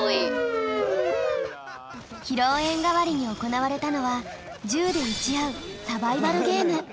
披露宴がわりに行われたのは銃で撃ち合うサバイバルゲーム。